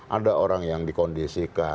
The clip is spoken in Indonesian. ada orang yang dikondisikan